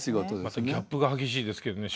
ギャップが激しいですけどね